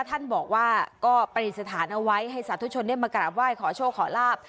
ท่านบอกว่าก็ปฏิสถานเอาไว้ให้สาธุชนได้มากราบไหว้ขอโชคขอลาบ